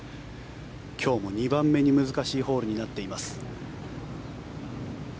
今日も２番目に難しいホールになっています。